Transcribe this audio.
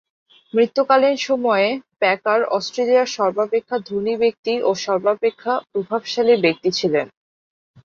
মৃত্যুকালীন সময়ে প্যাকার অস্ট্রেলিয়ার সর্বাপেক্ষা ধনী ব্যক্তি ও সর্বাপেক্ষা প্রভাবশালী ব্যক্তি ছিলেন।